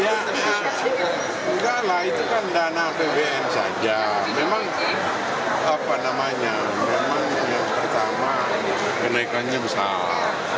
ya enggak lah itu kan dana apbn saja memang apa namanya memang yang pertama kenaikannya besar